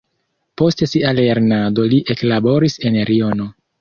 Post sia lernado li eklaboris en Liono.